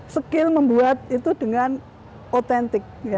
skill membuat itu dengan otentik